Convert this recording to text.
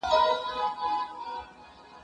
ته ولي درسونه اورې